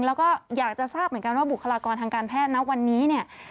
แล้วก็อยากจะทราบเหมือนกันว่าบุคลากรทางการแพทย์นะวันนี้เนี่ย